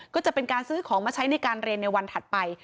ก็จะเป็นการซื้อของมาใช้ในการเรียนในวันถัดไป